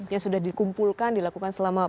yang sudah dikumpulkan dilakukan selama